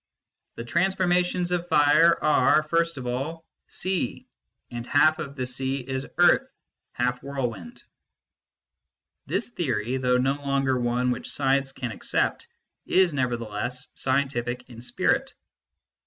" The transformations of Fire are, first of all, sea ; and half of the sea is earth, half whirlwind." This theory, though no longer one which science can accept, is nevertheless scientific in spirit.